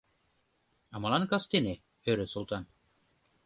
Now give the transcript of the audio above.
— А молан кастене? — ӧрӧ Султан.